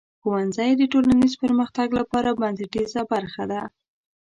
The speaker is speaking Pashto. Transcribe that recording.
ښوونځی د ټولنیز پرمختګ لپاره بنسټیزه برخه ده.